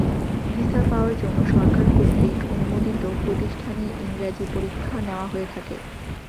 Visa পাওয়ার জন্য সরকার কর্তৃক অনুমোদিত প্রতিষ্ঠানে ইংরেজি পরীক্ষা নেওয়া হয়ে থাকে।